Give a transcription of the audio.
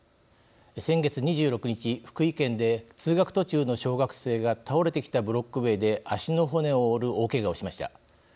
先月２６日福井県で通学途中の小学生が倒れてきたブロック塀で足の骨を折る大けがをしました。